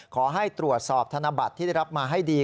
ขอให้ตรวจสอบธนบัตรที่ได้รับมาให้ดี